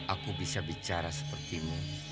aku bisa bicara sepertimu